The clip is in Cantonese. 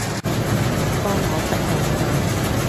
幫我執好佢